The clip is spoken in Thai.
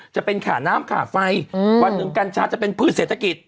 จะเป็นพืชเศรษฐกิจ